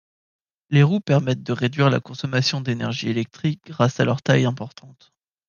Les roues permettent de réduire la consommation d'énergie électrique grâce à leur taille importante.